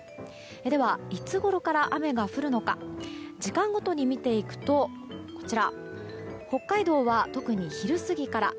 ではいつごろから雨が降るのか時間ごとに見ていくと北海道は特に昼過ぎから。